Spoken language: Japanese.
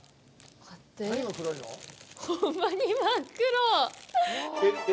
待って、ほんまに真っ黒。